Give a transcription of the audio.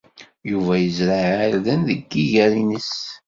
Yuba yezreɛ irden deg yiger-nnes.